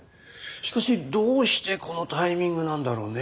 しかしどうしてこのタイミングなんだろうね。